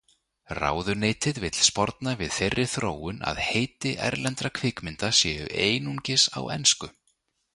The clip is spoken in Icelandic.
Ráðuneytið vill sporna við þeirri þróun að heiti erlendra kvikmynda séu einugis á ensku.